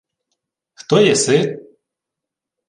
— Хто єси?